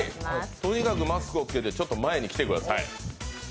とにかくマスクをつけて前に来てください。